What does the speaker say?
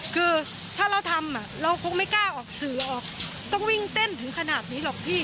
คือถ้าเราทำเราคงไม่กล้าออกสื่อออกต้องวิ่งเต้นถึงขนาดนี้หรอกพี่